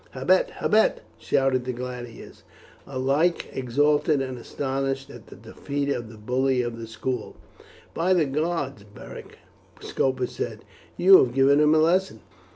"Habet, habet!" shouted the gladiators, alike exultant and astonished at the defeat of the bully of the school. "By the gods, Beric," Scopus said, "you have given him a lesson.